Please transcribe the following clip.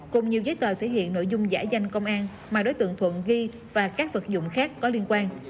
cùng nhiều giấy tờ thể hiện nội dung giả danh công an mà đối tượng thuận ghi và các vật dụng khác có liên quan